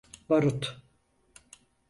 Barut…